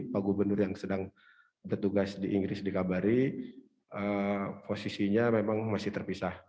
pak gubernur yang sedang bertugas di inggris dikabari posisinya memang masih terpisah